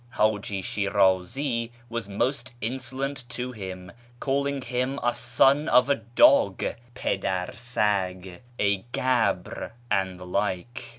Haji Shinizi was most insolent to him, calling him a son of a dog (" jndar sag "), a gab?', and the like.